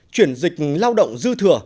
chuyển dịch lao động dư thừa